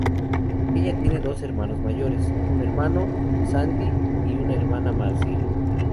Ella tiene dos hermanos mayores, un hermano, Sandy, y una hermana, Marcia.